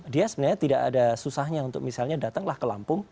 dia sebenarnya tidak ada susahnya untuk misalnya datanglah ke lampung